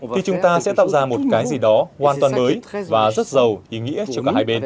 thì chúng ta sẽ tạo ra một cái gì đó hoàn toàn mới và rất giàu ý nghĩa cho cả hai bên